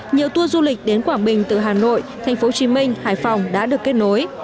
nhiều tour du lịch đến quảng bình từ hà nội tp hcm hải phòng đã được kết nối